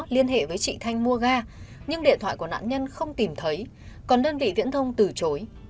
liên hệ với chị thanh mua ga nhưng điện thoại của nạn nhân không tìm thấy còn đơn vị viễn thông từ chối